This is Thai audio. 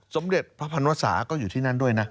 สมเด็จพระพันวสาก็อยู่ที่นั่นด้วยนะ